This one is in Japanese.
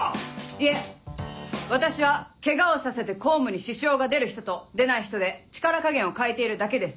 いえ私はケガをさせて公務に支障が出る人と出ない人で力加減を変えているだけです。